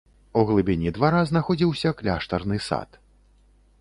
У глыбіні двара знаходзіўся кляштарны сад.